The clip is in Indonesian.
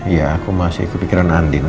iya aku masih kepikiran andin